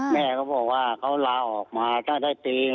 เน่ก็บอกว่าเขาลาออกมาตั้งแต่ปี